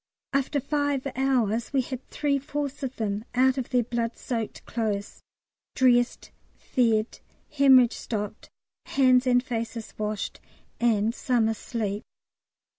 After five hours we had three fourths of them out of their blood soaked clothes, dressed, fed, hæmorrhage stopped, hands and faces washed, and some asleep.